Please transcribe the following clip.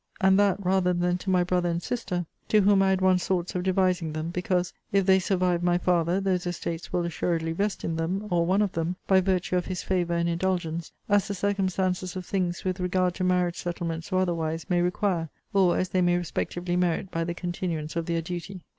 and that rather than to my brother and sister, to whom I had once thoughts of devising them, because, if they survive my father, those estates will assuredly vest in them, or one of them, by virtue of his favour and indulgence, as the circumstances of things with regard to marriage settlements, or otherwise, may require; or, as they may respectively merit by the continuance of their duty.